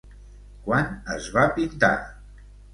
Quan es va pintar?